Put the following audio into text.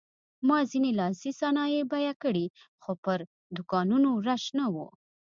ما ځینې لاسي صنایع بیه کړې خو پر دوکانونو رش نه و.